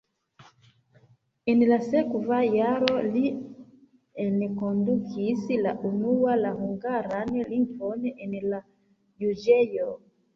En la sekva jaro li enkondukis la unua la hungaran lingvon en la juĝejo.